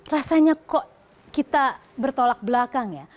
rasanya kok kita bertolak belakang ya